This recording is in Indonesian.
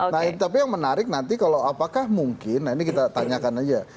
nah tapi yang menarik nanti kalau apakah mungkin ini kita tanyakan aja